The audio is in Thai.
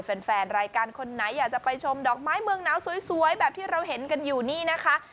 แฟนรายการคนไหนอยากจะไปชมดอกไม้เมืองหนาวสวยแบบที่เราเห็นกันอยู่นี่นะคะ